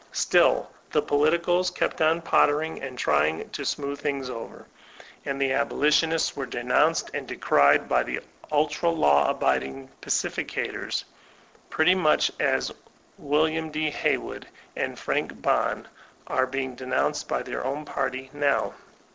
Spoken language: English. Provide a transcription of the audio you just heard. Still the politicab kept on pottering and trying to smoodi things over, and the Abolitionists were de> nounced and decried by the ultra law abiding pacificators, pretty much as Wm. D. Haywood and Frank Bohn are being denounced by their own party now.